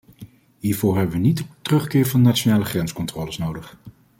Hiervoor hebben we niet de terugkeer van nationale grenscontroles nodig.